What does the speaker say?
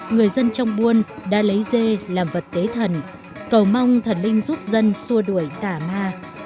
người dân trong buôn đã lấy dê làm vật tế thần cầu mong thần linh giúp dân xua đuổi tả ma